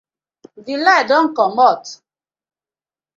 DI light don komot.